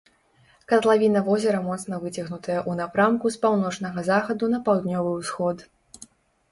Катлавіна возера моцна выцягнутая ў напрамку з паўночнага захаду на паўднёвы ўсход.